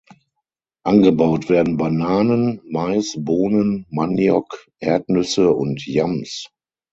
Angebaut werden Bananen, Mais, Bohnen, Maniok, Erdnüsse und Yams.